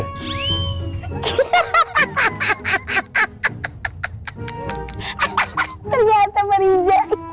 ternyata pak rija